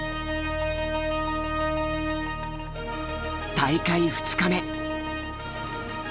大会２日目。